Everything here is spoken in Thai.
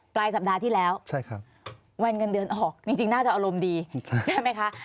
ปลายสัปดาห์ที่แล้ววันเงินเดือนออกจริงน่าจะอารมณ์ดีใช่ไหมคะ